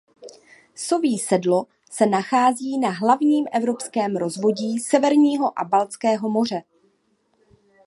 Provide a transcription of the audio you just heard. Soví sedlo se nachází na hlavním evropském rozvodí Severního a Baltského moře.